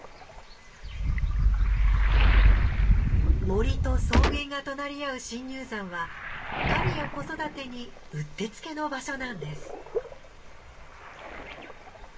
森と草原が隣り合う深入山は狩りや子育てにうってつけの場所なんです。